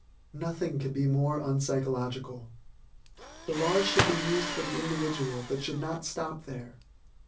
Nothing could be more unpsychological. The laws should be used for the individual, but should not stop there.